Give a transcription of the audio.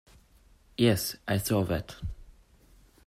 Yes, I saw that.